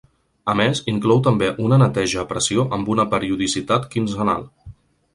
A més inclou també una neteja a pressió amb una periodicitat quinzenal.